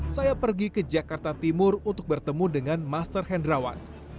saya pergi ke jakarta timur untuk bertemu dengan master hendrawan